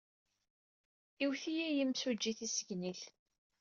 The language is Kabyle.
Iwet-iyi yimsujji tissegnit.